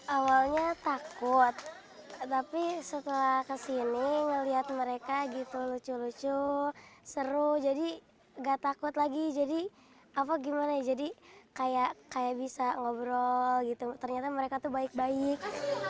awalnya takut tapi setelah kesini ngelihat mereka gitu lucu lucu seru jadi gak takut lagi jadi apa gimana jadi kayak bisa ngobrol gitu ternyata mereka tuh baik baik